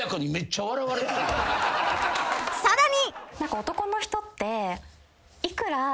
［さらに］